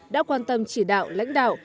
đã quan tâm chỉ đạo lãnh đạo